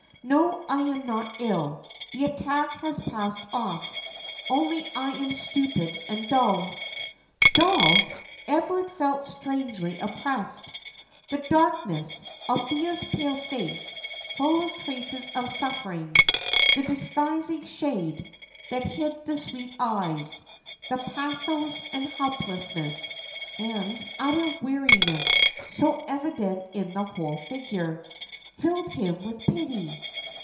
No, I am not ill. The attack has passed off, only I am stupid and dull." Dull! Everard felt strangely oppressed. The darkness; Althea's pale face, full of traces of suffering; the disguising shade, that hid the sweet eyes; the pathos, and helplessness, and utter weariness, so evident in the whole figure; filled him with pity.